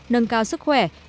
nâng cao sức khỏe